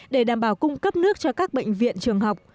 để đảm bảo cung cấp nước cho các bệnh viện trường học